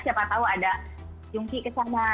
siapa tahu ada jungki ke sana